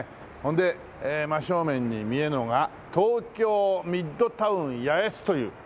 で真正面に見えるのが東京ミッドタウン八重洲という。